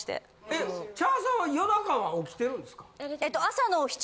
え茶さんは夜中は起きてるんですか？